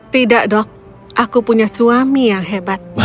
tidak dok aku punya suami yang hebat